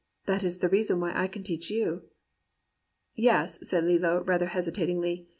That is the reason why I can teach you.' " *Yes,' said Lillo, rather hesitatingly.